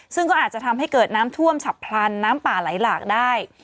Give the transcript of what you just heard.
ซึ่งก็อาจจะทำให้เกิดน้ำท่วมฉับพลันน้ำป่าไหลหลากได้